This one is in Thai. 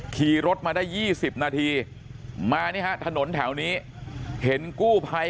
ขี่รถมาได้๒๐นาทีมานี่ฮะถนนแถวนี้เห็นกู้ภัย